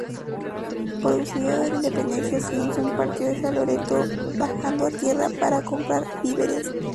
Producida la independencia, Simpson partió hacia Loreto bajando a tierra para comprar víveres.